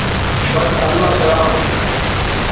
بس اللہ سو رحم تھو